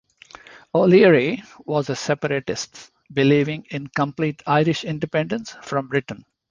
O'Leary was a separatist, believing in complete Irish independence from Britain.